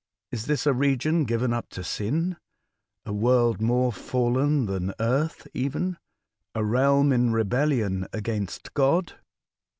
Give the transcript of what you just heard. Is this a region given up to sin, — a world more fallen than Earth even, — a realm in rebellion against God?"